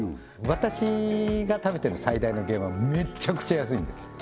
私が食べてる最大の原因はめっちゃくちゃ安いんです